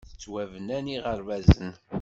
Ttwabnan yiɣerbazen.